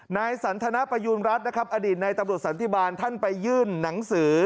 นายสันทนประยูณรัฐนะครับอดีตในตำรวจสันติบาลท่านไปยื่นหนังสือ